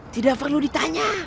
tidak perlu ditanya